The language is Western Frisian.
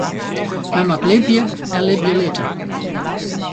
Men moat libje en libje litte.